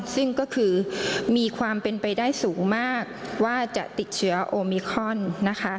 ซึ่งก็คือมีความเป็นไปได้สูงมากว่าจะติดเชื้อโอมิคอนนะคะ